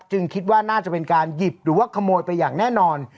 คิดว่าน่าจะเป็นการหยิบหรือว่าขโมยไปอย่างแน่นอน